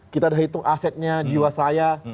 kita udah hitung asetnya jiwa saya